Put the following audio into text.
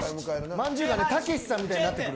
まんじゅうがたけしさんみたいになってる。